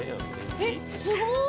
えっすごーい！